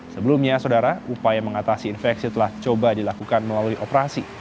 sebelumnya saudara upaya mengatasi infeksi telah coba dilakukan melalui operasi